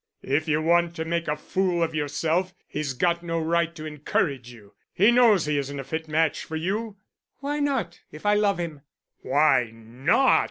"If you want to make a fool of yourself, he's got no right to encourage you. He knows he isn't a fit match for you." "Why not, if I love him?" "Why not!"